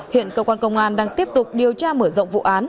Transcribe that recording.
hiện công an tp hải phòng đang tiếp tục điều tra mở rộng vụ án